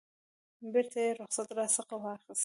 بیرته یې رخصت راڅخه واخیست.